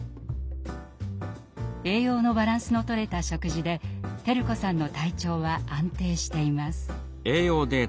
栄養のバランスのとれた食事で輝子さんの体調は安定しています。